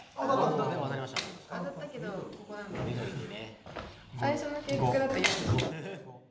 当たったけどここなんだよね。